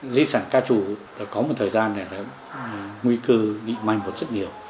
giới sản ca trù có một thời gian này nguy cơ định mạnh